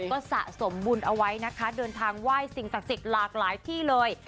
ก็สะสมบุญเอาไว้นะคะเดินทางไหว้สิ่งศักดิ์สิทธิ์หลากหลายที่เลย